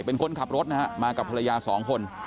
เป็นคนขับรถนะฮะมากับภรรยาสองคน